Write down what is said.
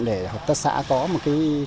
để hợp tác xã có một cái